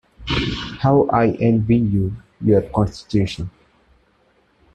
How I envy you your constitution!